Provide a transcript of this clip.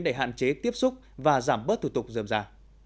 để hạn chế tiếp xúc và giảm bớt thủ tục dơm ra